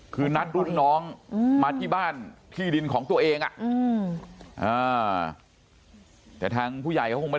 คือนัดรุ่นน้องมาที่บ้านที่ดินของตัวเองอ่ะแต่ทางผู้ใหญ่